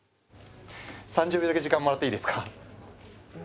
３０秒だけ時間もらっていいですか？